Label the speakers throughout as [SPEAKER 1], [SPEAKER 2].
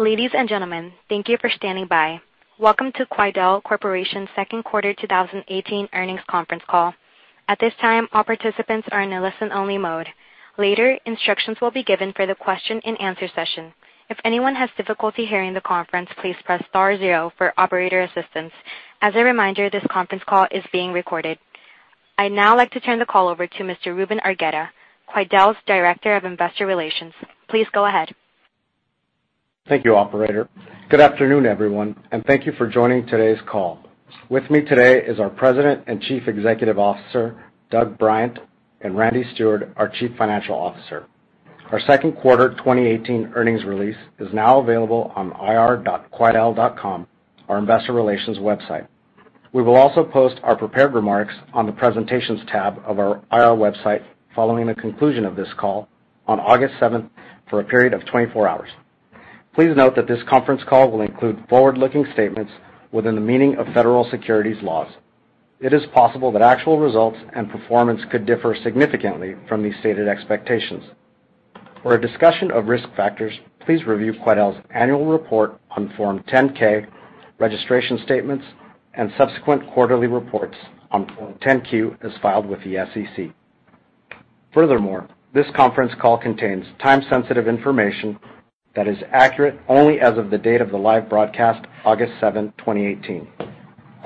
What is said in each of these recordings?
[SPEAKER 1] Ladies and gentlemen, thank you for standing by. Welcome to Quidel Corporation's second quarter 2018 earnings conference call. At this time, all participants are in a listen-only mode. Later, instructions will be given for the question and answer session. If anyone has difficulty hearing the conference, please press star zero for operator assistance. As a reminder, this conference call is being recorded. I'd now like to turn the call over to Mr. Ruben Arias, Quidel's Director of Investor Relations. Please go ahead.
[SPEAKER 2] Thank you, operator. Good afternoon, everyone, and thank you for joining today's call. With me today is our President and Chief Executive Officer, Douglas Bryant, and Randall Stewart, our Chief Financial Officer. Our second quarter 2018 earnings release is now available on ir.quidel.com, our investor relations website. We will also post our prepared remarks on the presentations tab of our IR website following the conclusion of this call on August 7th, for a period of 24 hours. Please note that this conference call will include forward-looking statements within the meaning of Federal Securities laws. It is possible that actual results and performance could differ significantly from these stated expectations. For a discussion of risk factors, please review Quidel's annual report on Form 10-K, registration statements, and subsequent quarterly reports on Form 10-Q as filed with the SEC. This conference call contains time-sensitive information that is accurate only as of the date of the live broadcast, August 7, 2018.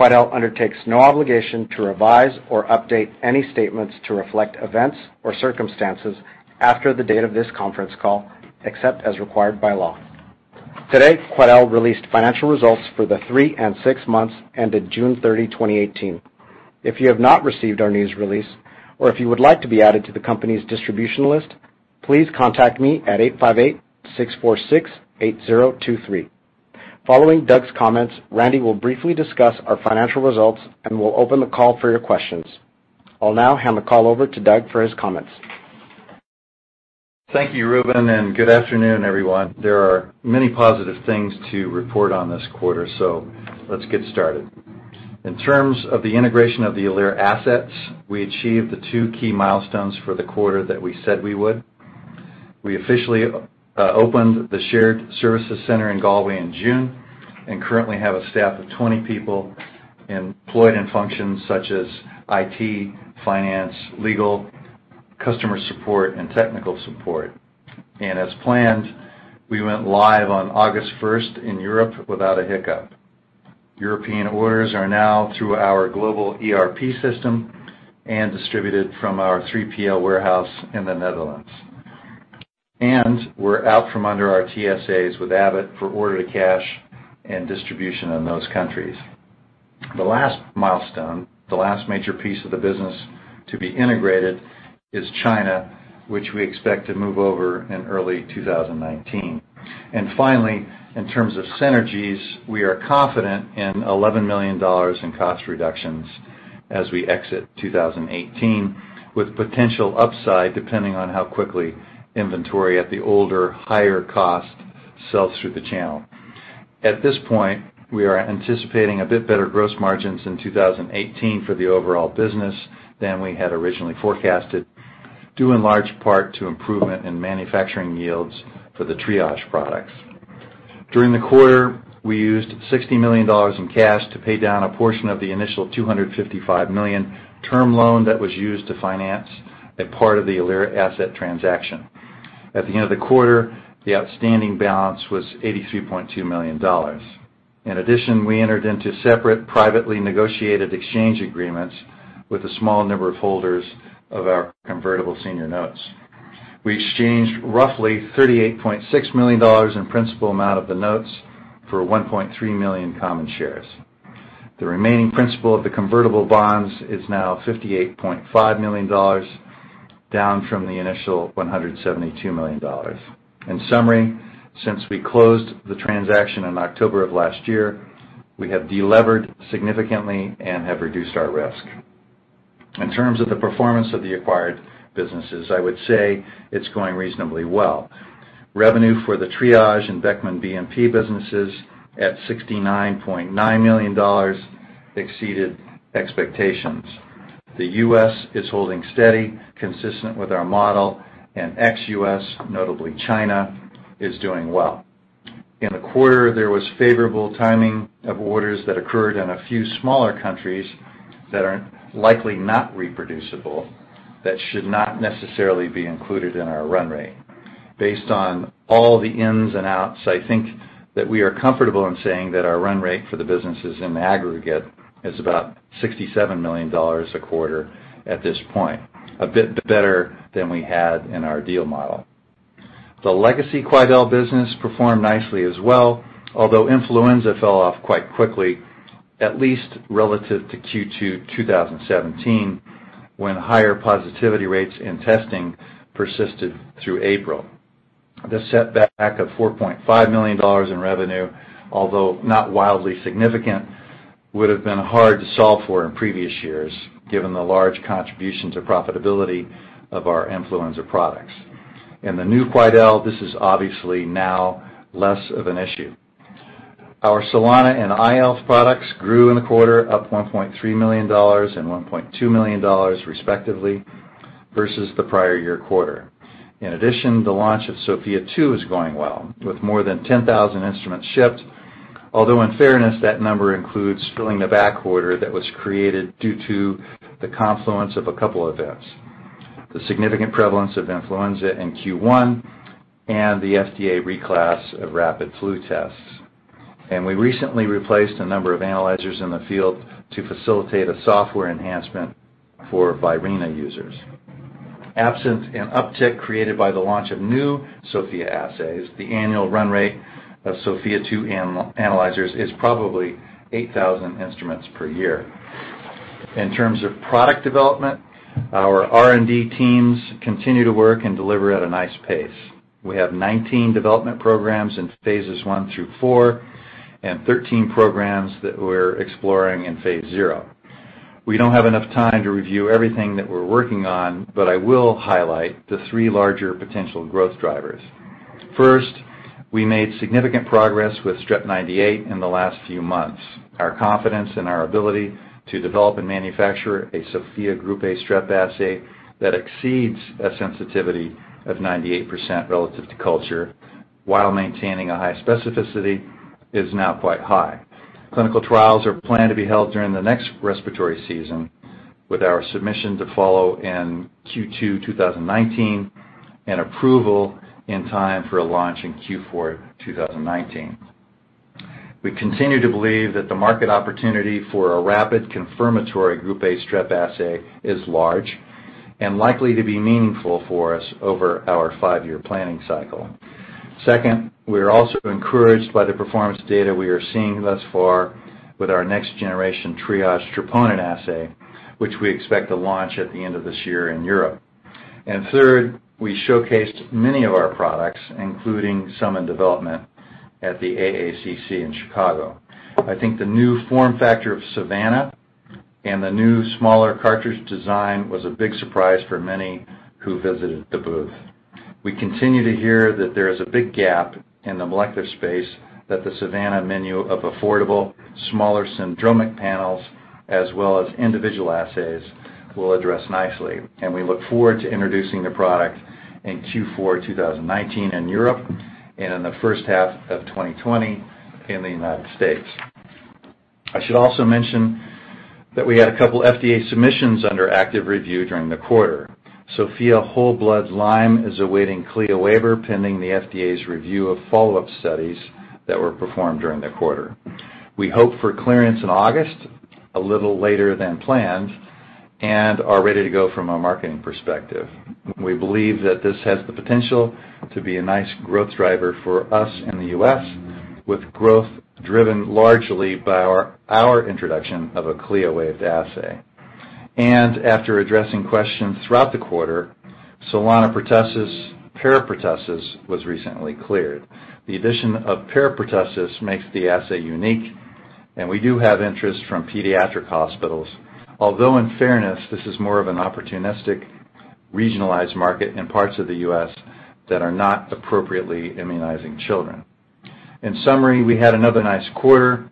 [SPEAKER 2] Quidel undertakes no obligation to revise or update any statements to reflect events or circumstances after the date of this conference call, except as required by law. Today, Quidel released financial results for the three and six months ended June 30, 2018. If you have not received our news release, or if you would like to be added to the company's distribution list, please contact me at 858-646-8023. Following Doug's comments, Randy will briefly discuss our financial results, and we'll open the call for your questions. I'll now hand the call over to Doug for his comments.
[SPEAKER 3] Thank you, Ruben, and good afternoon, everyone. There are many positive things to report on this quarter. Let's get started. In terms of the integration of the Alere assets, we achieved the two key milestones for the quarter that we said we would. We officially opened the shared services center in Galway in June and currently have a staff of 20 people employed in functions such as IT, finance, legal, customer support, and technical support. As planned, we went live on August 1st in Europe without a hiccup. European orders are now through our global ERP system and distributed from our 3PL warehouse in the Netherlands. We're out from under our TSAs with Abbott for order to cash and distribution in those countries. The last milestone, the last major piece of the business to be integrated is China, which we expect to move over in early 2019. Finally, in terms of synergies, we are confident in $11 million in cost reductions as we exit 2018, with potential upside depending on how quickly inventory at the older, higher cost sells through the channel. At this point, we are anticipating a bit better gross margins in 2018 for the overall business than we had originally forecasted, due in large part to improvement in manufacturing yields for the Triage products. During the quarter, we used $60 million in cash to pay down a portion of the initial $255 million term loan that was used to finance a part of the Alere asset transaction. At the end of the quarter, the outstanding balance was $83.2 million. In addition, we entered into separate privately negotiated exchange agreements with a small number of holders of our convertible senior notes. We exchanged roughly $38.6 million in principal amount of the notes for 1.3 million common shares. The remaining principal of the convertible bonds is now $58.5 million, down from the initial $172 million. In summary, since we closed the transaction in October of last year, we have delevered significantly and have reduced our risk. In terms of the performance of the acquired businesses, I would say it's going reasonably well. Revenue for the Triage and Beckman BNP businesses at $69.9 million exceeded expectations. The U.S. is holding steady, consistent with our model, and ex-U.S., notably China, is doing well. In the quarter, there was favorable timing of orders that occurred in a few smaller countries that are likely not reproducible, that should not necessarily be included in our run rate. Based on all the ins and outs, I think that we are comfortable in saying that our run rate for the businesses in aggregate is about $67 million a quarter at this point, a bit better than we had in our deal model. The legacy Quidel business performed nicely as well, although influenza fell off quite quickly, at least relative to Q2 2017, when higher positivity rates in testing persisted through April. The setback of $4.5 million in revenue, although not wildly significant, would've been hard to solve for in previous years, given the large contributions of profitability of our influenza products. In the new Quidel, this is obviously now less of an issue. Our Solana and i-Health products grew in the quarter up to $1.3 million and $1.2 million, respectively, versus the prior year quarter. In addition, the launch of Sofia 2 is going well, with more than 10,000 instruments shipped. Although in fairness, that number includes filling the back order that was created due to the confluence of a couple of events, the significant prevalence of influenza in Q1 and the FDA reclass of rapid flu tests. We recently replaced a number of analyzers in the field to facilitate a software enhancement for Virena users. Absent an uptick created by the launch of new Sofia assays, the annual run rate of Sofia 2 analyzers is probably 8,000 instruments per year. In terms of product development, our R&D teams continue to work and deliver at a nice pace. We have 19 development programs in phases I through IV and 13 programs that we're exploring in phase 0. I will highlight the three larger potential growth drivers. First, we made significant progress with Strep 98 in the last few months. Our confidence in our ability to develop and manufacture a Sofia Group A Strep assay that exceeds a sensitivity of 98% relative to culture while maintaining a high specificity is now quite high. Clinical trials are planned to be held during the next respiratory season, with our submission to follow in Q2 2019, and approval in time for a launch in Q4 2019. We continue to believe that the market opportunity for a rapid confirmatory Group A Strep assay is large and likely to be meaningful for us over our five-year planning cycle. Second, we are also encouraged by the performance data we are seeing thus far with our next-generation Triage troponin assay, which we expect to launch at the end of this year in Europe. Third, we showcased many of our products, including some in development at the AACC in Chicago. I think the new form factor of Savanna and the new smaller cartridge design was a big surprise for many who visited the booth. We continue to hear that there is a big gap in the molecular space that the Savanna menu of affordable, smaller syndromic panels, as well as individual assays, will address nicely, and we look forward to introducing the product in Q4 2019 in Europe and in the first half of 2020 in the U.S. I should also mention that we had a couple FDA submissions under active review during the quarter. Sofia 2 Lyme FIA is awaiting CLIA waiver, pending the FDA's review of follow-up studies that were performed during the quarter. We hope for clearance in August, a little later than planned, and are ready to go from a marketing perspective. We believe that this has the potential to be a nice growth driver for us in the U.S., with growth driven largely by our introduction of a CLIA-waived assay. After addressing questions throughout the quarter, Solana Bordetella Complete Assay was recently cleared. The addition of parapertussis makes the assay unique, and we do have interest from pediatric hospitals. Although in fairness, this is more of an opportunistic, regionalized market in parts of the U.S. that are not appropriately immunizing children. In summary, we had another nice quarter,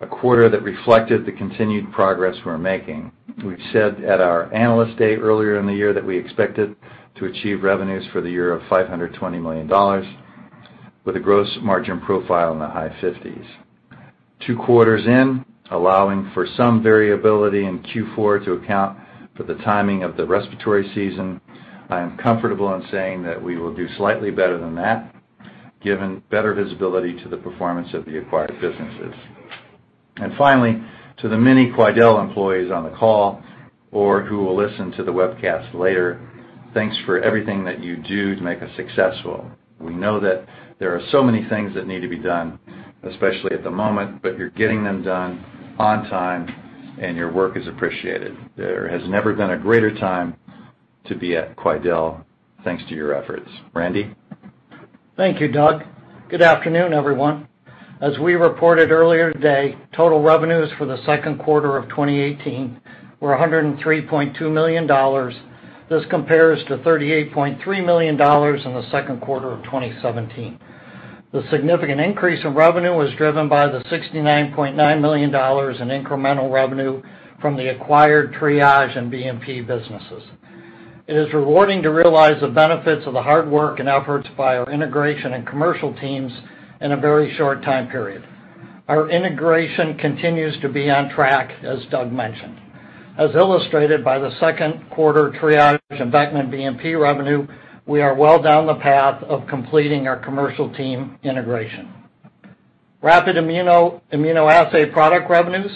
[SPEAKER 3] a quarter that reflected the continued progress we're making. We've said at our analyst day earlier in the year that we expected to achieve revenues for the year of $520 million, with a gross margin profile in the high 50s. Two quarters in, allowing for some variability in Q4 to account for the timing of the respiratory season, I am comfortable in saying that we will do slightly better than that, given better visibility to the performance of the acquired businesses. Finally, to the many Quidel employees on the call or who will listen to the webcast later, thanks for everything that you do to make us successful. We know that there are so many things that need to be done, especially at the moment, but you're getting them done on time, and your work is appreciated. There has never been a greater time to be at Quidel, thanks to your efforts. Randy.
[SPEAKER 4] Thank you, Doug. Good afternoon, everyone. As we reported earlier today, total revenues for the second quarter of 2018 were $103.2 million. This compares to $38.3 million in the second quarter of 2017. The significant increase in revenue was driven by the $69.9 million in incremental revenue from the acquired Triage and BNP businesses. It is rewarding to realize the benefits of the hard work and efforts by our integration and commercial teams in a very short time period. Our integration continues to be on track, as Doug mentioned. As illustrated by the second quarter Triage and Beckman BNP revenue, we are well down the path of completing our commercial team integration. Rapid immunoassay product revenues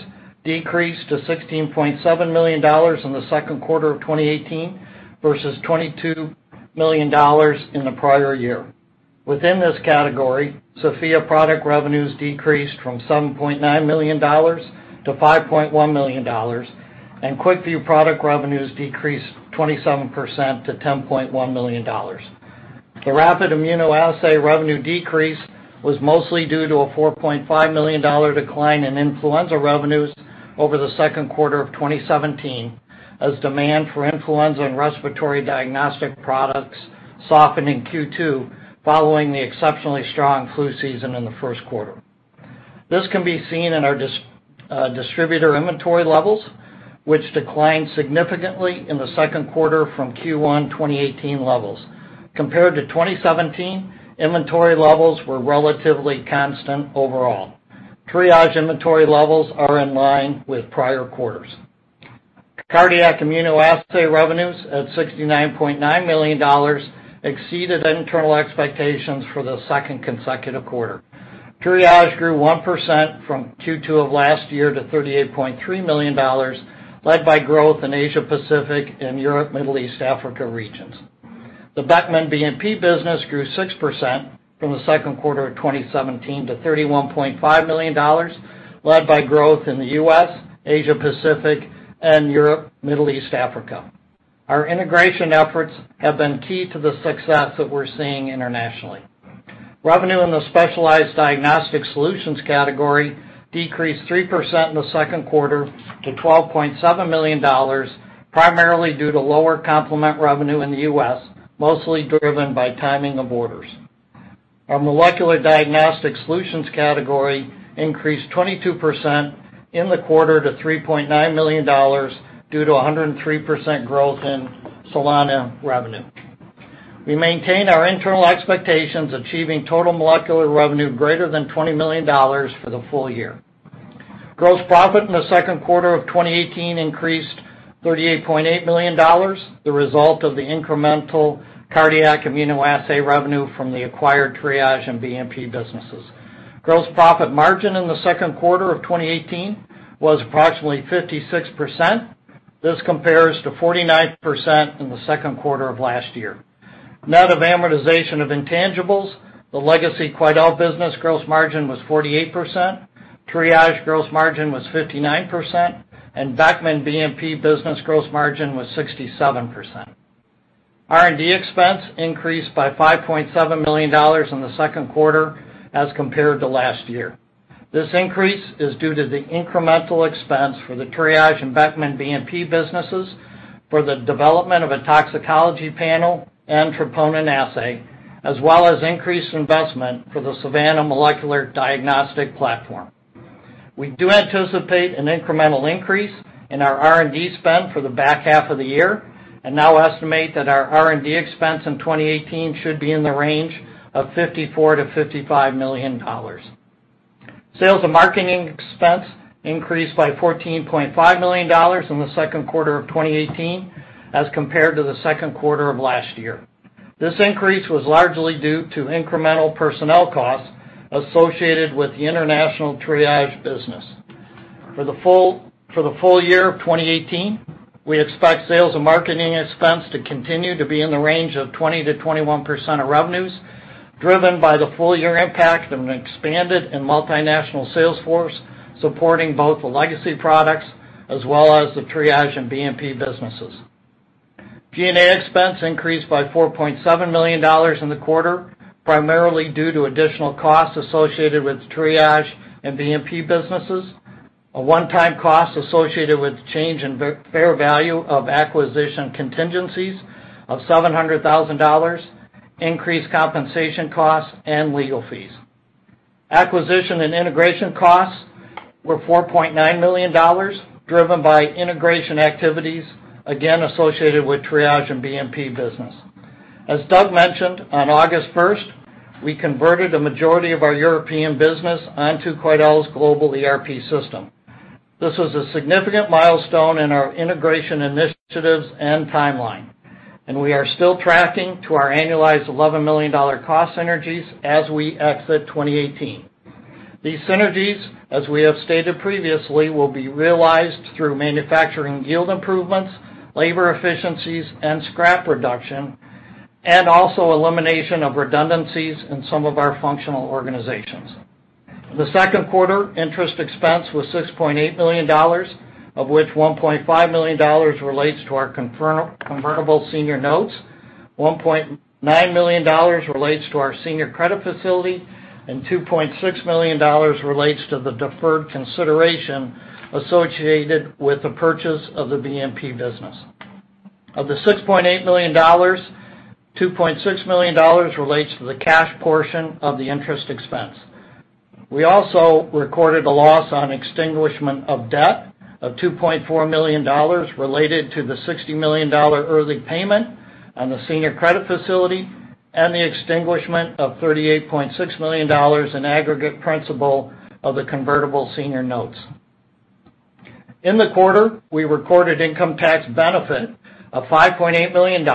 [SPEAKER 4] decreased to $16.7 million in the second quarter of 2018 versus $22 million in the prior year. Within this category, Sofia product revenues decreased from $7.9 million to $5.1 million, and QuickVue product revenues decreased 27% to $10.1 million. The rapid immunoassay revenue decrease was mostly due to a $4.5 million decline in influenza revenues over the second quarter of 2017, as demand for influenza and respiratory diagnostic products softened in Q2 following the exceptionally strong flu season in the first quarter. This can be seen in our distributor inventory levels, which declined significantly in the second quarter from Q1 2018 levels. Compared to 2017, inventory levels were relatively constant overall. Triage inventory levels are in line with prior quarters. Cardiac Immunoassay revenues at $69.9 million exceeded internal expectations for the second consecutive quarter. Triage grew 1% from Q2 of last year to $38.3 million, led by growth in Asia Pacific and Europe, Middle East, Africa regions. The Beckman BNP business grew 6% from the second quarter of 2017 to $31.5 million, led by growth in the U.S., Asia Pacific, and Europe, Middle East, Africa. Our integration efforts have been key to the success that we're seeing internationally. Revenue in the Specialized Diagnostic Solutions category decreased 3% in the second quarter to $12.7 million, primarily due to lower complement revenue in the U.S., mostly driven by timing of orders. Our Molecular Diagnostic Solutions category increased 22% in the quarter to $3.9 million due to 103% growth in Solana revenue. We maintain our internal expectations, achieving total molecular revenue greater than $20 million for the full year. Gross profit in the second quarter of 2018 increased to $38.8 million, the result of the incremental Cardiac Immunoassay revenue from the acquired Triage and BNP businesses. Gross profit margin in the second quarter of 2018 was approximately 56%. This compares to 49% in the second quarter of last year. Net of amortization of intangibles, the legacy Quidel business gross margin was 48%, Triage gross margin was 59%, and Beckman BNP business gross margin was 67%. R&D expense increased by $5.7 million in the second quarter as compared to last year. This increase is due to the incremental expense for the Triage and Beckman BNP businesses for the development of a toxicology panel and troponin assay, as well as increased investment for the Savanna Molecular Diagnostic platform. We do anticipate an incremental increase in our R&D spend for the back half of the year, and now estimate that our R&D expense in 2018 should be in the range of $54 million-$55 million. Sales and marketing expense increased by $14.5 million in the second quarter of 2018 as compared to the second quarter of last year. This increase was largely due to incremental personnel costs associated with the international Triage business. For the full year of 2018, we expect sales and marketing expense to continue to be in the range of 20%-21% of revenues, driven by the full-year impact of an expanded and multinational sales force supporting both the legacy products as well as the Triage and BNP businesses. G&A expense increased by $4.7 million in the quarter, primarily due to additional costs associated with Triage and BNP businesses, a one-time cost associated with change in fair value of acquisition contingencies of $700,000, increased compensation costs, and legal fees. Acquisition and integration costs were $4.9 million, driven by integration activities, again, associated with Triage and BNP business. As Doug mentioned, on August 1st, we converted the majority of our European business onto Quidel's global ERP system. This was a significant milestone in our integration initiatives and timeline. We are still tracking to our annualized $11 million cost synergies as we exit 2018. These synergies, as we have stated previously, will be realized through manufacturing yield improvements, labor efficiencies, scrap reduction, and also elimination of redundancies in some of our functional organizations. The second quarter interest expense was $6.8 million, of which $1.5 million relates to our convertible senior notes, $1.9 million relates to our senior credit facility, and $2.6 million relates to the deferred consideration associated with the purchase of the BNP business. Of the $6.8 million, $2.6 million relates to the cash portion of the interest expense. We also recorded a loss on extinguishment of debt of $2.4 million related to the $60 million early payment on the senior credit facility and the extinguishment of $38.6 million in aggregate principal of the convertible senior notes. In the quarter, we recorded income tax benefit of $5.8 million.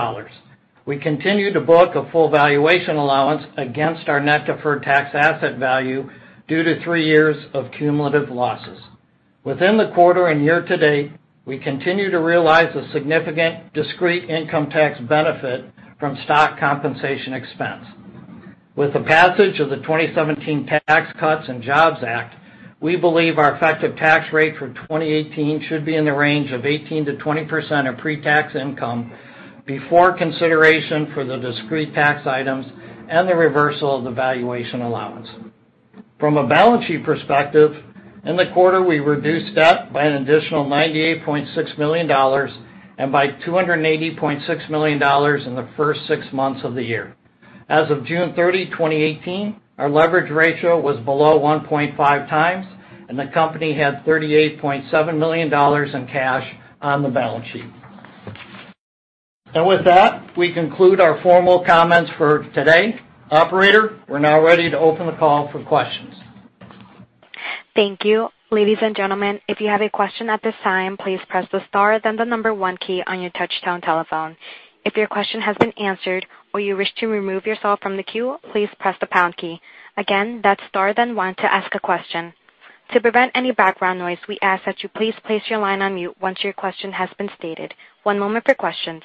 [SPEAKER 4] We continue to book a full valuation allowance against our net deferred tax asset value due to three years of cumulative losses. Within the quarter and year to date, we continue to realize a significant discrete income tax benefit from stock compensation expense. With the passage of the 2017 Tax Cuts and Jobs Act, we believe our effective tax rate for 2018 should be in the range of 18%-20% of pre-tax income before consideration for the discrete tax items and the reversal of the valuation allowance. From a balance sheet perspective, in the quarter, we reduced debt by an additional $98.6 million and by $280.6 million in the first six months of the year. As of June 30, 2018, our leverage ratio was below 1.5x, and the company had $38.7 million in cash on the balance sheet. With that, we conclude our formal comments for today. Operator, we are now ready to open the call for questions.
[SPEAKER 1] Thank you. Ladies and gentlemen, if you have a question at this time, please press the star then the number one key on your touch-tone telephone. If your question has been answered or you wish to remove yourself from the queue, please press the pound key. Again, that's star then one to ask a question. To prevent any background noise, we ask that you please place your line on mute once your question has been stated. One moment for questions.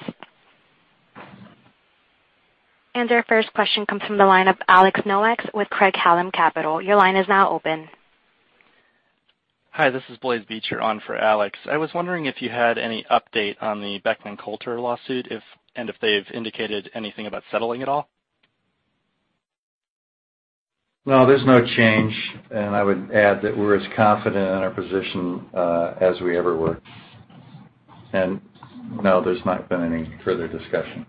[SPEAKER 1] Our first question comes from the line of Alex Nowak with Craig-Hallum Capital. Your line is now open.
[SPEAKER 5] Hi, this is Blaise Bucey on for Alex. I was wondering if you had any update on the Beckman Coulter lawsuit and if they've indicated anything about settling at all.
[SPEAKER 3] No, there's no change, I would add that we're as confident in our position as we ever were. No, there's not been any further discussion.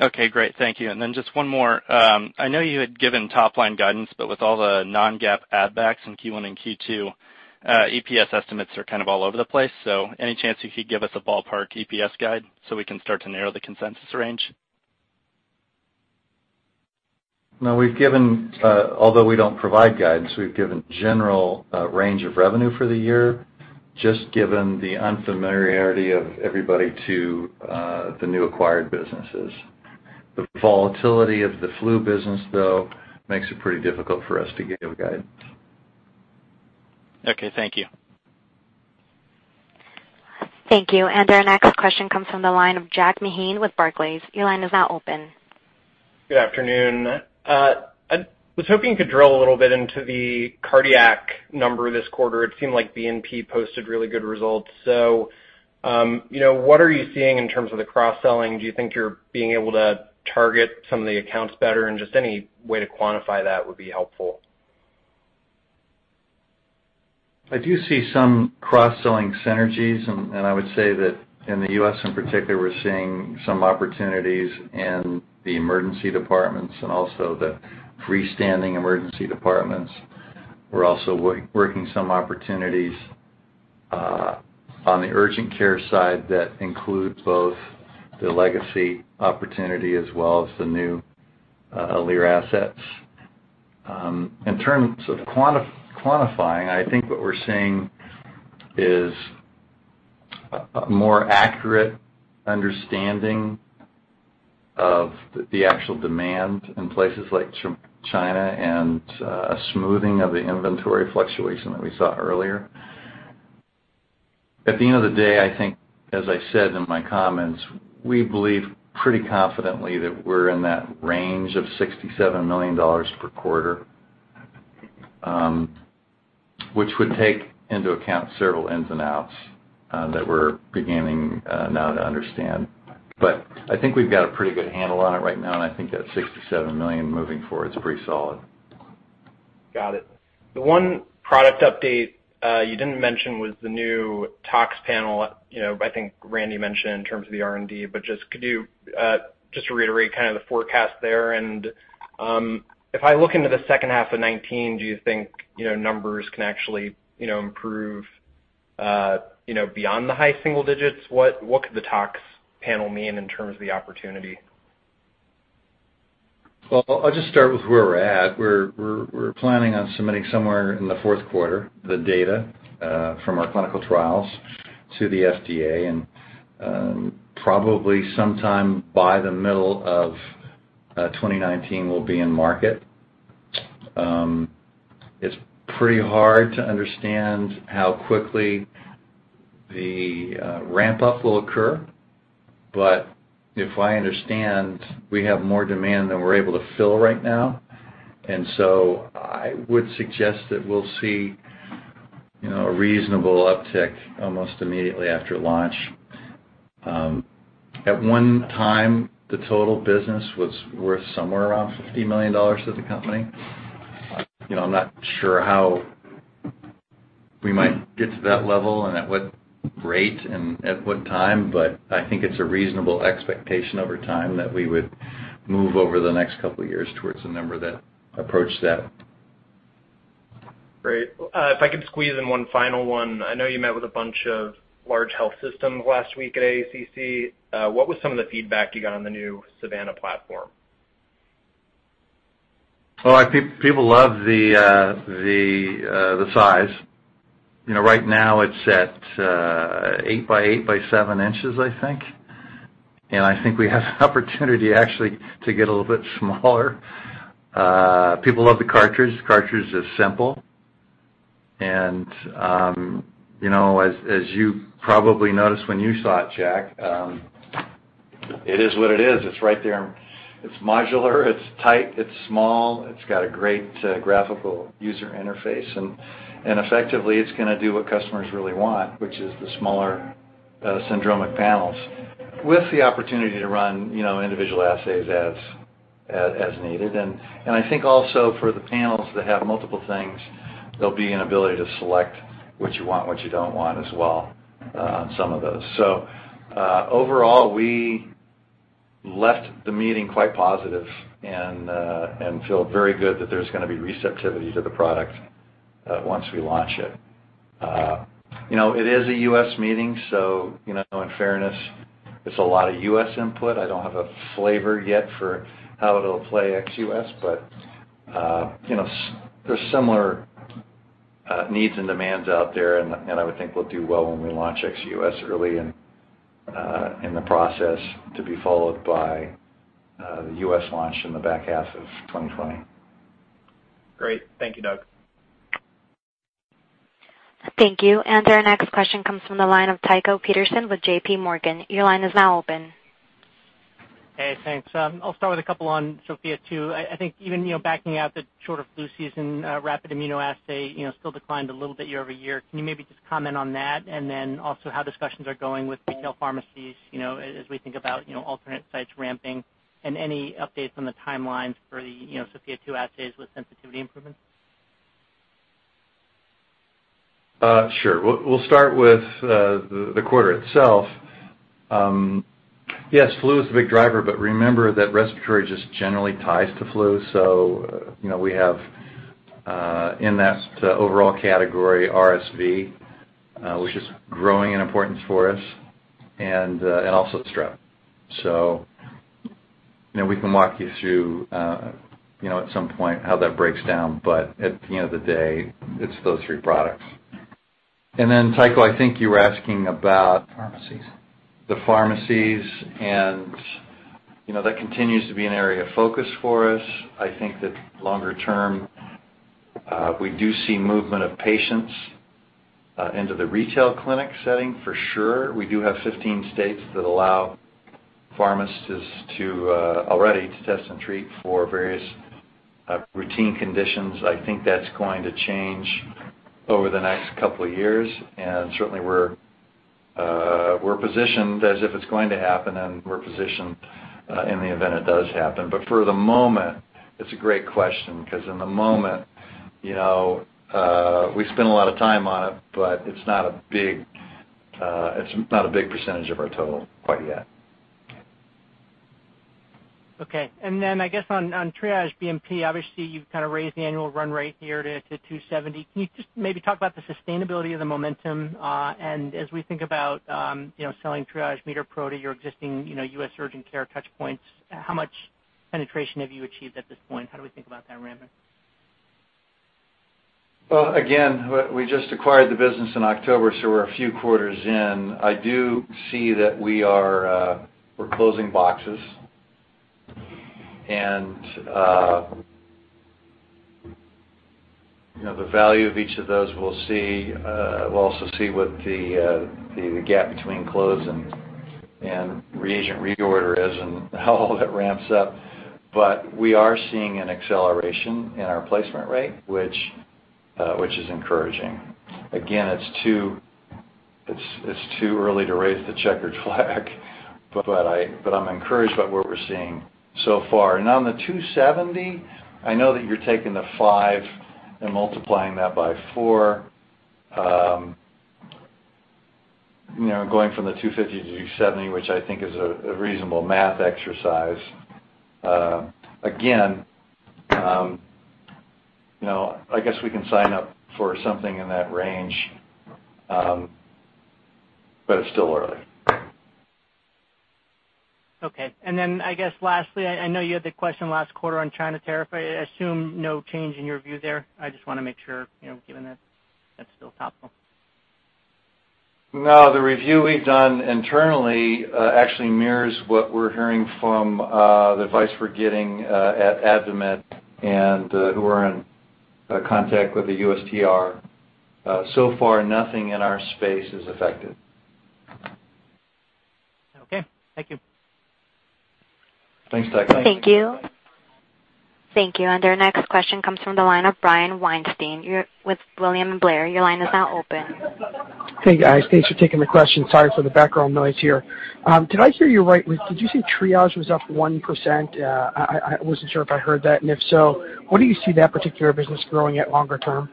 [SPEAKER 5] Okay, great. Thank you. Then just one more. I know you had given top-line guidance, but with all the non-GAAP add backs in Q1 and Q2, EPS estimates are kind of all over the place. Any chance you could give us a ballpark EPS guide so we can start to narrow the consensus range?
[SPEAKER 3] No, although we don't provide guidance, we've given general range of revenue for the year just given the unfamiliarity of everybody to the new acquired businesses. The volatility of the flu business, though, makes it pretty difficult for us to give guidance.
[SPEAKER 5] Okay, thank you.
[SPEAKER 1] Thank you. Our next question comes from the line of Jack Meehan with Barclays. Your line is now open.
[SPEAKER 6] Good afternoon. I was hoping you could drill a little bit into the cardiac number this quarter. It seemed like BNP posted really good results. What are you seeing in terms of the cross-selling? Do you think you're being able to target some of the accounts better? Just any way to quantify that would be helpful.
[SPEAKER 3] I do see some cross-selling synergies. I would say that in the U.S. in particular, we're seeing some opportunities in the emergency departments and also the freestanding emergency departments. We're also working some opportunities on the urgent care side that include both the legacy opportunity as well as the new Alere assets. In terms of quantifying, I think what we're seeing is a more accurate understanding of the actual demand in places like China, a smoothing of the inventory fluctuation that we saw earlier. At the end of the day, I think as I said in my comments, we believe pretty confidently that we're in that range of $67 million per quarter, which would take into account several ins and outs that we're beginning now to understand. I think we've got a pretty good handle on it right now, and I think that $67 million moving forward is pretty solid.
[SPEAKER 6] Got it. The one product update you didn't mention was the new tox panel. I think Randy mentioned in terms of the R&D, could you just reiterate kind of the forecast there? If I look into the second half of 2019, do you think numbers can actually improve beyond the high single digits? What could the tox panel mean in terms of the opportunity?
[SPEAKER 3] I'll just start with where we're at. We're planning on submitting somewhere in the fourth quarter, the data from our clinical trials to the FDA. Probably sometime by the middle of 2019, we'll be in market. It's pretty hard to understand how quickly the ramp-up will occur. If I understand, we have more demand than we're able to fill right now, so I would suggest that we'll see a reasonable uptick almost immediately after launch. At one time, the total business was worth somewhere around $50 million to the company. I'm not sure how we might get to that level and at what rate and at what time. I think it's a reasonable expectation over time that we would move over the next couple of years towards a number that approach that.
[SPEAKER 6] Great. If I could squeeze in one final one. I know you met with a bunch of large health systems last week at AACC. What was some of the feedback you got on the new Savanna platform?
[SPEAKER 3] Well, people love the size. Right now it's at 8 by 8 by 7 inches, I think. I think we have an opportunity actually to get a little bit smaller. People love the cartridge. The cartridge is simple. As you probably noticed when you saw it, Jack, it is what it is. It's right there. It's modular, it's tight, it's small, it's got a great graphical user interface, and effectively, it's going to do what customers really want, which is the smaller syndromic panels with the opportunity to run individual assays as needed. I think also for the panels that have multiple things, there'll be an ability to select what you want, what you don't want as well on some of those. Overall we left the meeting quite positive and feel very good that there's going to be receptivity to the product, once we launch it. It is a U.S. meeting, in fairness, it's a lot of U.S. input. I don't have a flavor yet for how it'll play ex-U.S., but there's similar needs and demands out there, and I would think we'll do well when we launch ex-U.S. early and in the process to be followed by the U.S. launch in the back half of 2020.
[SPEAKER 6] Great. Thank you, Doug.
[SPEAKER 1] Thank you. Our next question comes from the line of Tycho Peterson with J.P. Morgan. Your line is now open.
[SPEAKER 7] Hey, thanks. I'll start with a couple on Sofia 2. I think even backing out the shorter flu season, rapid immunoassay still declined a little bit year-over-year. Can you maybe just comment on that, and then also how discussions are going with retail pharmacies, as we think about alternate sites ramping, and any updates on the timelines for the Sofia 2 assays with sensitivity improvements?
[SPEAKER 3] Sure. We'll start with the quarter itself. Yes, flu is a big driver, but remember that respiratory just generally ties to flu. We have, in that overall category, RSV, which is growing in importance for us and also strep. We can walk you through, at some point, how that breaks down, but at the end of the day, it's those three products. Tycho, I think you were asking about-
[SPEAKER 4] Pharmacies
[SPEAKER 3] the pharmacies, that continues to be an area of focus for us. I think that longer term, we do see movement of patients, into the retail clinic setting for sure. We do have 15 states that allow pharmacists already to test and treat for various routine conditions. I think that's going to change over the next couple of years, and certainly we're positioned as if it's going to happen, and we're positioned in the event it does happen. For the moment, it's a great question, because in the moment, we spend a lot of time on it, but it's not a big percentage of our total quite yet.
[SPEAKER 7] Okay. I guess on Triage BNP, obviously you've kind of raised the annual run rate here to 270. Can you just maybe talk about the sustainability of the momentum? As we think about selling Triage MeterPro to your existing U.S. urgent care touchpoints, how much penetration have you achieved at this point? How do we think about that ramp up?
[SPEAKER 3] Well, again, we just acquired the business in October, we're a few quarters in. I do see that we're closing boxes. The value of each of those we'll see. We'll also see what the gap between close and reagent reorder is and how that ramps up. We are seeing an acceleration in our placement rate, which is encouraging. Again, it's too early to raise the checkered flag, but I'm encouraged by what we're seeing so far. On the 270, I know that you're taking the five and multiplying that by four, going from the 250 to 270, which I think is a reasonable math exercise. Again, I guess we can sign up for something in that range, but it's still early.
[SPEAKER 7] Okay. I guess lastly, I know you had the question last quarter on China tariff. I assume no change in your view there. I just want to make sure, given that that's still topical.
[SPEAKER 3] No, the review we've done internally actually mirrors what we're hearing from the advice we're getting at AdvaMed and who are in contact with the USTR. So far, nothing in our space is affected.
[SPEAKER 7] Okay. Thank you.
[SPEAKER 3] Thanks, Tycho.
[SPEAKER 1] Thank you. Thank you. Our next question comes from the line of Brian Weinstein with William Blair. Your line is now open.
[SPEAKER 8] Hey, guys. Thanks for taking the question. Sorry for the background noise here. Did I hear you right, did you say Triage was up 1%? I wasn't sure if I heard that. If so, where do you see that particular business growing at longer term?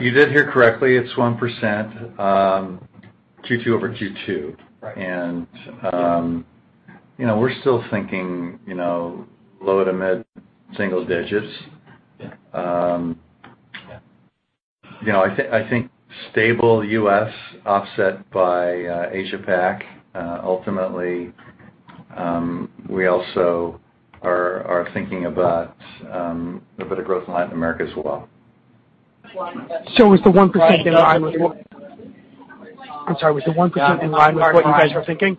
[SPEAKER 3] You did hear correctly. It's 1%, Q2 over Q2.
[SPEAKER 8] Right.
[SPEAKER 3] We're still thinking low to mid single digits.
[SPEAKER 8] Yeah.
[SPEAKER 3] I think stable U.S. offset by Asia Pac. Ultimately, we also are thinking about a bit of growth in Latin America as well.
[SPEAKER 8] Was the 1% in line with what you guys are thinking?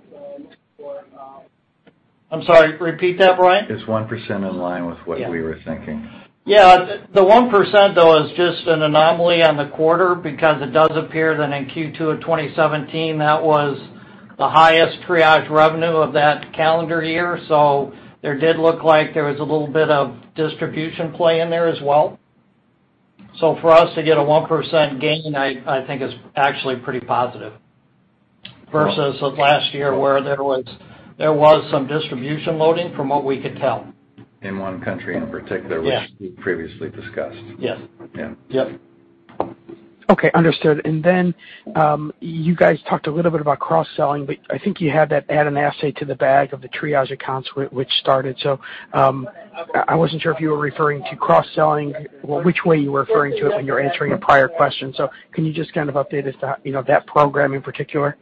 [SPEAKER 4] I'm sorry, repeat that, Brian.
[SPEAKER 3] Is 1% in line with what we were thinking?
[SPEAKER 4] Yeah. The 1%, though, is just an anomaly on the quarter because it does appear that in Q2 of 2017 that was the highest Triage revenue of that calendar year. There did look like there was a little bit of distribution play in there as well. For us to get a 1% gain, I think is actually pretty positive versus last year where there was some distribution loading from what we could tell.
[SPEAKER 3] In one country in particular.
[SPEAKER 4] Yeah.
[SPEAKER 3] which we previously discussed.
[SPEAKER 4] Yes.
[SPEAKER 3] Yeah.
[SPEAKER 4] Yep.
[SPEAKER 8] Okay, understood. You guys talked a little bit about cross-selling, but I think you had that add an assay to the bag of the Triage accounts which started. I wasn't sure if you were referring to cross-selling, which way you were referring to it when you were answering a prior question. Can you just kind of update us to that program in particular?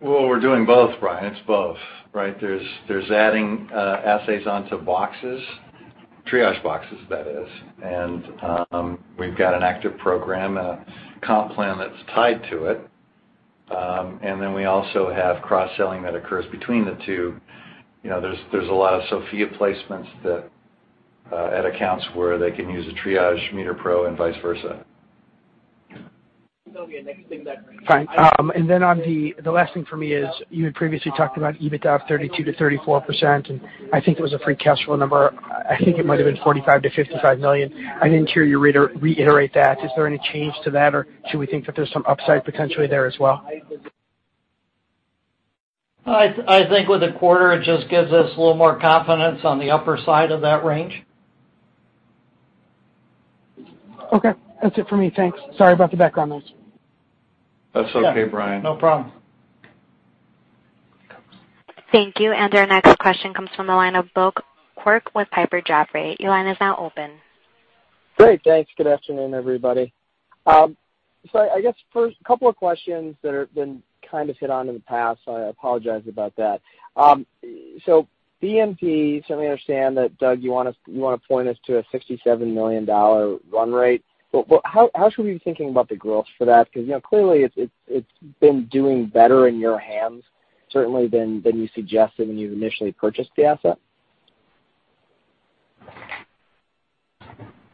[SPEAKER 3] We're doing both, Brian. It's both, right? There's adding assays onto boxes, Triage boxes, that is. We've got an active program, a comp plan that's tied to it. We also have cross-selling that occurs between the two. There's a lot of Sofia placements at accounts where they can use a Triage MeterPro and vice versa.
[SPEAKER 8] Fine. The last thing for me is you had previously talked about EBITDA of 32%-34%, and I think it was a free cash flow number. I think it might've been $45 million-$55 million. I didn't hear you reiterate that. Is there any change to that, or should we think that there's some upside potentially there as well?
[SPEAKER 4] I think with the quarter, it just gives us a little more confidence on the upper side of that range.
[SPEAKER 8] Okay. That's it for me. Thanks. Sorry about the background noise.
[SPEAKER 3] That's okay, Brian.
[SPEAKER 4] Yeah. No problem.
[SPEAKER 1] Thank you. Our next question comes from the line of Bill Quirk with Piper Jaffray. Your line is now open.
[SPEAKER 9] Great. Thanks. Good afternoon, everybody. I guess first, couple of questions that have been kind of hit on in the past, I apologize about that. BNP, certainly understand that, Doug, you want to point us to a $67 million run rate, how should we be thinking about the growth for that? Clearly, it's been doing better in your hands certainly than you suggested when you initially purchased the asset.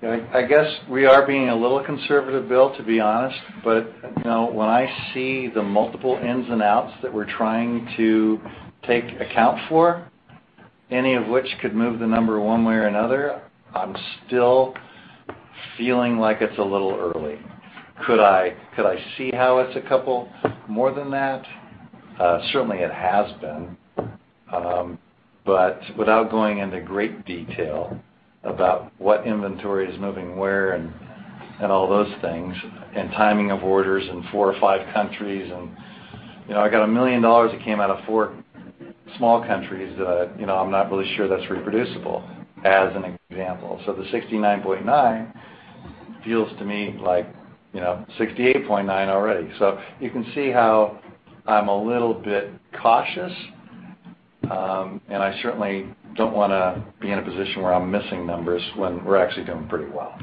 [SPEAKER 3] I guess we are being a little conservative, Bill, to be honest, when I see the multiple ins and outs that we're trying to take account for, any of which could move the number one way or another, I'm still feeling like it's a little early. Could I see how it's a couple more than that? Certainly, it has been. Without going into great detail about what inventory is moving where and all those things and timing of orders in four or five countries I got $1 million that came out of four small countries that I'm not really sure that's reproducible, as an example. The $69.9 feels to me like $68.9 already. You can see how I'm a little bit cautious. I certainly don't want to be in a position where I'm missing numbers when we're actually doing pretty well.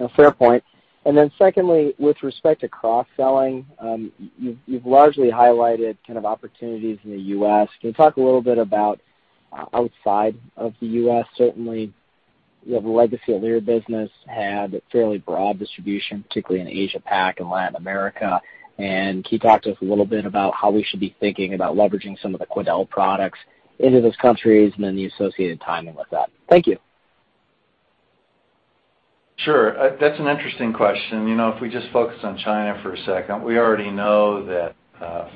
[SPEAKER 9] No, fair point. Then secondly, with respect to cross-selling, you've largely highlighted kind of opportunities in the U.S. Can you talk a little bit about outside of the U.S.? Certainly, you have a legacy Alere business, had fairly broad distribution, particularly in Asia Pac and Latin America. Can you talk to us a little bit about how we should be thinking about leveraging some of the Quidel products into those countries and then the associated timing with that? Thank you.
[SPEAKER 3] Sure. That's an interesting question. If we just focus on China for a second, we already know that,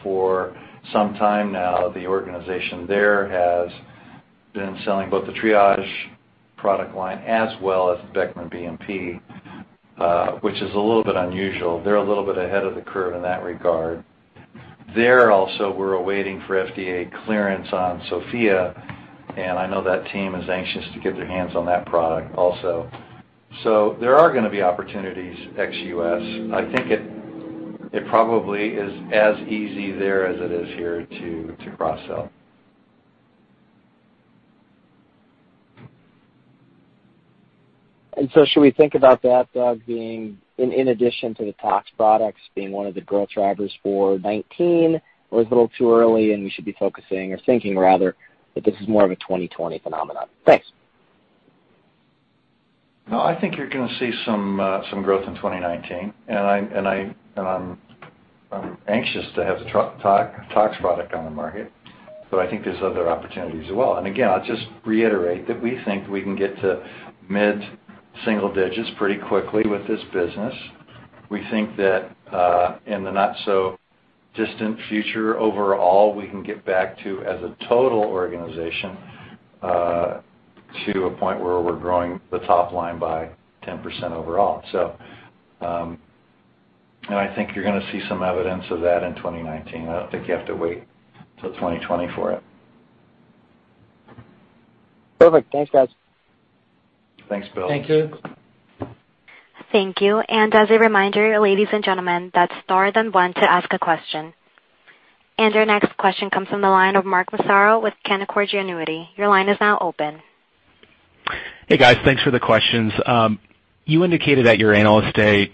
[SPEAKER 3] for some time now, the organization there has been selling both the Triage product line as well as Beckman BNP, which is a little bit unusual. They're a little bit ahead of the curve in that regard. There also, we're awaiting for FDA clearance on Sofia, and I know that team is anxious to get their hands on that product also. There are going to be opportunities ex-U.S. I think it probably is as easy there as it is here to cross-sell.
[SPEAKER 9] Should we think about that, Doug, being in addition to the TOX products, being one of the growth drivers for 2019, or it's a little too early, and we should be focusing or thinking rather that this is more of a 2020 phenomenon? Thanks.
[SPEAKER 3] No, I think you're going to see some growth in 2019, and I'm anxious to have the TOX product on the market, but I think there's other opportunities as well. I'll just reiterate that we think we can get to mid-single digits pretty quickly with this business. We think that, in the not so distant future overall, we can get back to, as a total organization, to a point where we're growing the top line by 10% overall. I think you're going to see some evidence of that in 2019. I don't think you have to wait till 2020 for it.
[SPEAKER 9] Perfect. Thanks, guys.
[SPEAKER 3] Thanks, Bill.
[SPEAKER 4] Thank you.
[SPEAKER 1] Thank you. As a reminder, ladies and gentlemen, that's star then one to ask a question. Our next question comes from the line of Mark Massaro with Canaccord Genuity. Your line is now open.
[SPEAKER 10] Hey, guys. Thanks for the questions. You indicated at your Analyst Day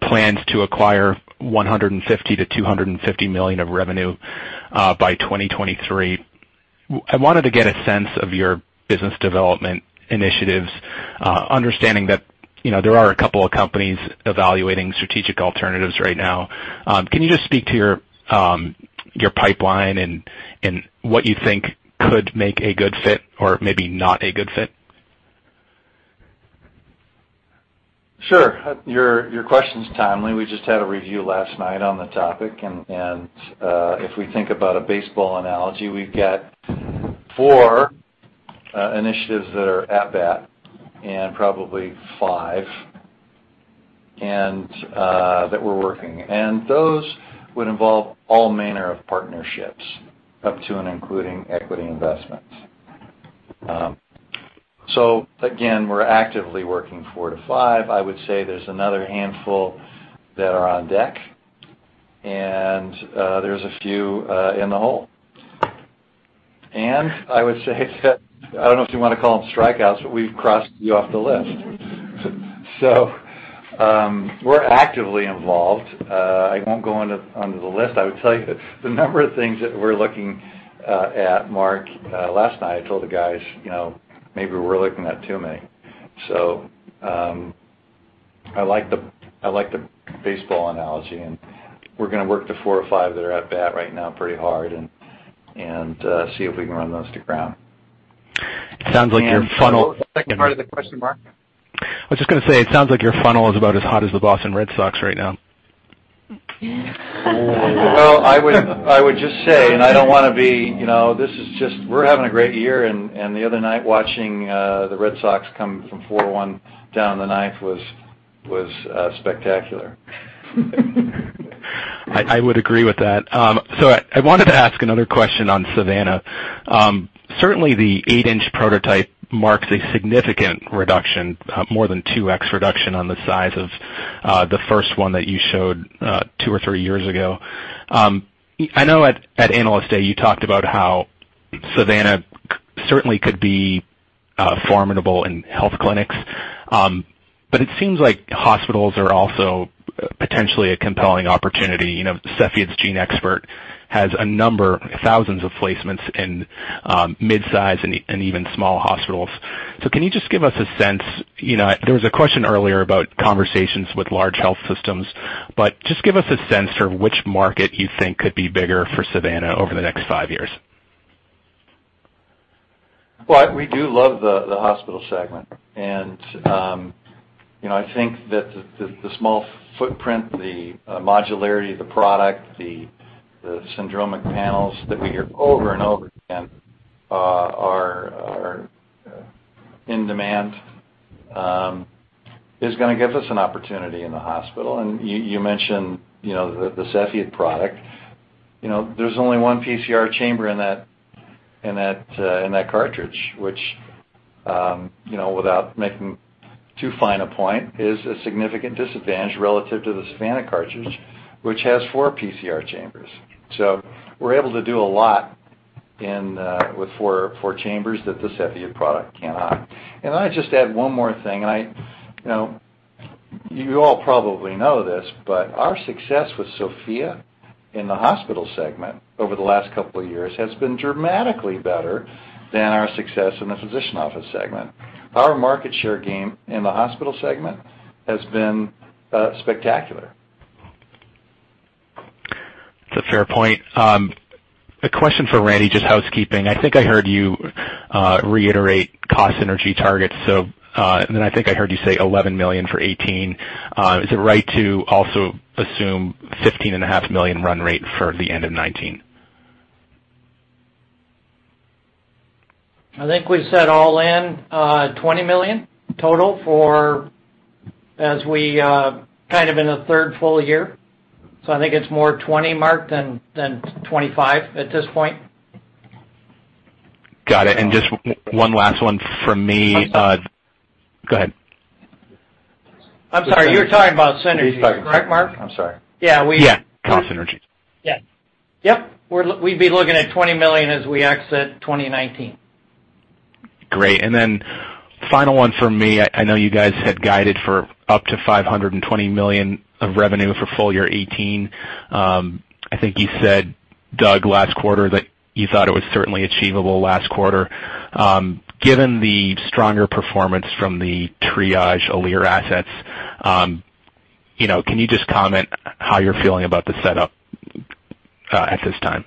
[SPEAKER 10] plans to acquire $150 million-$250 million of revenue by 2023. I wanted to get a sense of your business development initiatives, understanding that there are a couple of companies evaluating strategic alternatives right now. Can you just speak to your pipeline and what you think could make a good fit or maybe not a good fit?
[SPEAKER 3] Sure. Your question's timely. We just had a review last night on the topic. If we think about a baseball analogy, we've got 4 initiatives that are at bat, and probably 5, that we're working. Those would involve all manner of partnerships up to and including equity investments. Again, we're actively working 4 to 5. I would say there's another handful that are on deck, and there's a few in the hole. I would say that, I don't know if you want to call them strikeouts, but we've crossed you off the list. We're actively involved. I won't go onto the list. I would tell you the number of things that we're looking at, Mark, last night, I told the guys maybe we're looking at too many. I like the baseball analogy. We're going to work the 4 or 5 that are at bat right now pretty hard and see if we can run those to ground.
[SPEAKER 10] Sounds like your funnel.
[SPEAKER 3] What was the second part of the question, Mark?
[SPEAKER 10] I was just going to say, it sounds like your funnel is about as hot as the Boston Red Sox right now.
[SPEAKER 3] Well, I would just say, We're having a great year, and the other night watching the Red Sox come from 4-1 down in the ninth was spectacular.
[SPEAKER 10] I would agree with that. I wanted to ask another question on Savanna. Certainly the 8-inch prototype marks a significant reduction, more than 2x reduction on the size of the first one that you showed two or three years ago. I know at Analyst Day, you talked about how Savanna certainly could be formidable in health clinics. It seems like hospitals are also potentially a compelling opportunity. Cepheid's GeneXpert has a number, thousands of placements in mid-size and even small hospitals. Can you just give us a sense, there was a question earlier about conversations with large health systems, but just give us a sense for which market you think could be bigger for Savanna over the next five years.
[SPEAKER 3] Well, we do love the hospital segment. I think that the small footprint, the modularity of the product, the syndromic panels that we hear over and over again are in demand, is going to give us an opportunity in the hospital. You mentioned, the Cepheid product. There's only one PCR chamber in that cartridge, which, without making too fine a point, is a significant disadvantage relative to the Savanna cartridge, which has four PCR chambers. We're able to do a lot with four chambers that the Cepheid product cannot. I'll just add one more thing, and you all probably know this, but our success with Sofia in the hospital segment over the last couple of years has been dramatically better than our success in the physician office segment. Our market share gain in the hospital segment has been spectacular.
[SPEAKER 10] It's a fair point. A question for Randy, just housekeeping. I think I heard you reiterate cost synergy targets, then I think I heard you say $11 million for 2018. Is it right to also assume $15.5 million run rate for the end of 2019?
[SPEAKER 4] I think we've said all in, $20 million total for as we kind of in the third full year. I think it's more $20, Mark, than $25 at this point.
[SPEAKER 10] Got it. Just one last one from me. Go ahead.
[SPEAKER 4] I'm sorry, you're talking about synergies, correct, Mark?
[SPEAKER 3] I'm sorry.
[SPEAKER 4] Yeah.
[SPEAKER 10] Yeah, cost synergies.
[SPEAKER 4] Yeah. We'd be looking at $20 million as we exit 2019.
[SPEAKER 10] Final one from me. I know you guys had guided for up to $520 million of revenue for full year 2018. I think you said, Doug, last quarter that you thought it was certainly achievable last quarter. Given the stronger performance from the Triage Alere assets, can you just comment how you're feeling about the setup at this time?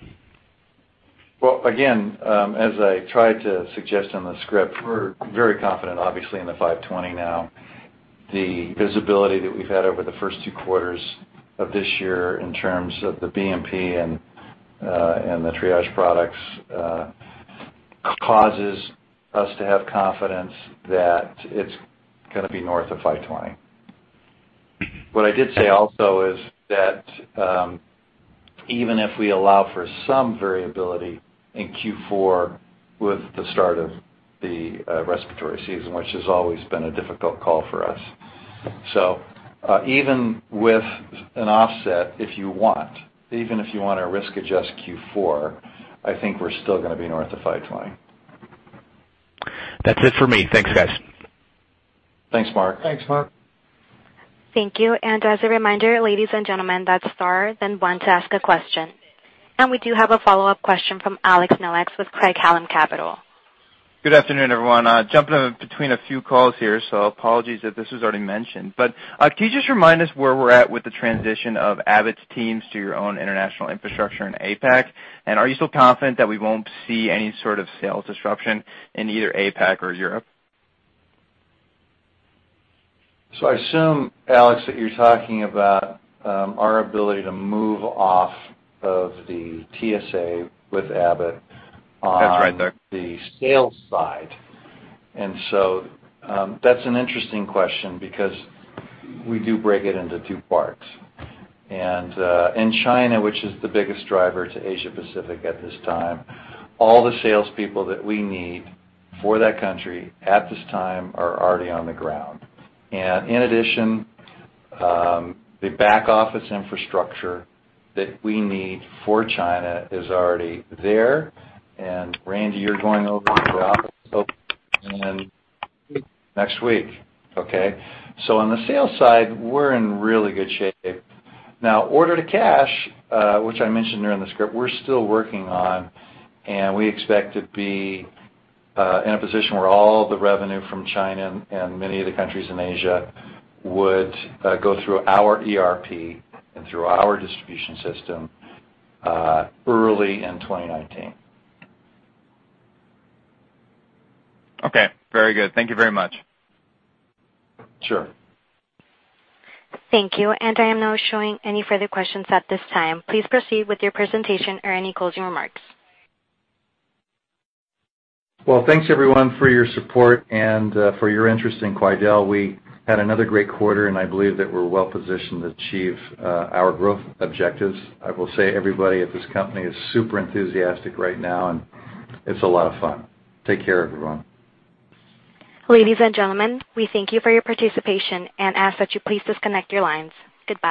[SPEAKER 3] Again, as I tried to suggest on the script, we're very confident, obviously, in the $520 now. The visibility that we've had over the first two quarters of this year in terms of the BNP and the Triage products causes us to have confidence that it's going to be north of $520. What I did say also is that even if we allow for some variability in Q4 with the start of the respiratory season, which has always been a difficult call for us. Even with an offset, if you want, even if you want to risk adjust Q4, I think we're still going to be north of $520.
[SPEAKER 10] That's it for me. Thanks, guys.
[SPEAKER 3] Thanks, Mark.
[SPEAKER 4] Thanks, Mark.
[SPEAKER 1] Thank you. As a reminder, ladies and gentlemen, that's star then one to ask a question. We do have a follow-up question from Alex Nowak with Craig-Hallum Capital.
[SPEAKER 11] Good afternoon, everyone. Jumping between a few calls here, apologies if this was already mentioned. Can you just remind us where we're at with the transition of Abbott's teams to your own international infrastructure in APAC? Are you still confident that we won't see any sort of sales disruption in either APAC or Europe?
[SPEAKER 3] I assume, Alex, that you're talking about our ability to move off of the TSA with Abbott.
[SPEAKER 11] That's right, sir
[SPEAKER 3] the sales side. That's an interesting question because we do break it into two parts. In China, which is the biggest driver to Asia-Pacific at this time, all the salespeople that we need for that country at this time are already on the ground. In addition, the back-office infrastructure that we need for China is already there. Randy, you're going over to the office, when? Next week. Next week. Okay. On the sales side, we're in really good shape. Now, order to cash, which I mentioned there in the script, we're still working on, and we expect to be in a position where all the revenue from China and many of the countries in Asia would go through our ERP and through our distribution system, early in 2019.
[SPEAKER 11] Okay. Very good. Thank you very much.
[SPEAKER 3] Sure.
[SPEAKER 1] Thank you. I am now showing any further questions at this time. Please proceed with your presentation or any closing remarks.
[SPEAKER 3] Well, thanks everyone for your support and for your interest in Quidel. We had another great quarter, and I believe that we're well-positioned to achieve our growth objectives. I will say everybody at this company is super enthusiastic right now, and it's a lot of fun. Take care, everyone.
[SPEAKER 1] Ladies and gentlemen, we thank you for your participation and ask that you please disconnect your lines. Goodbye.